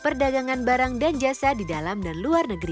perdagangan barang dan jasa di dalam dan luar negeri